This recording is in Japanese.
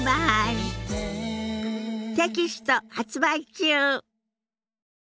テキスト発売中。